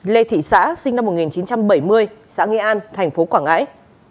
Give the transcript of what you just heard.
hai lê thị xã sinh năm một nghìn chín trăm bảy mươi xã nghĩa an tp quảng ngãi